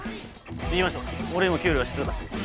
行きましょう俺にも給料が必要だ。